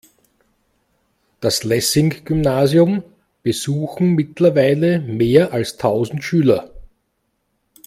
Das Lessing-Gymnasium besuchen mittlerweile mehr als tausend Schüler.